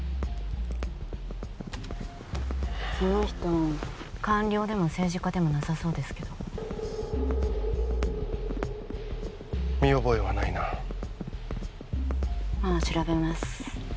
その人官僚でも政治家でもなさそうですけど見覚えはないなまっ調べます